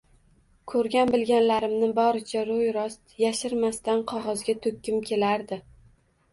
Ko‘rgan-bilganlarimni boricha, ro‘yi rost, yashirmasdan qog‘ozga to‘kkim kelardi